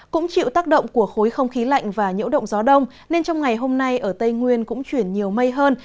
cũng chịu tác động của khối không khí lạnh và nhiễu động gió đông nên trong ngày hôm nay ở tây nguyên cũng chuyển nhiều mây hơn